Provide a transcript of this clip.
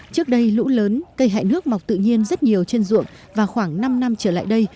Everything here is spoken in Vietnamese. trước đây lũ lớn cây hẹ nước mọc tự nhiên rất nhiều trên ruộng và khoảng năm năm trở lại đây